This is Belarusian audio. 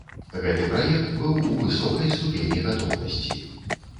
Гэты праект быў у высокай ступені гатоўнасці.